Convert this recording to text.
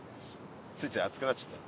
ついつい熱くなっちゃった。